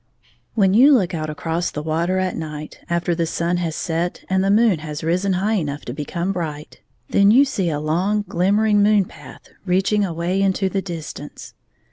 ^HEN you look out across the water at night, after the sun has set and the moon has risen high enough to become bright, then you see a long, glimmering moon path reach ing away into the distance.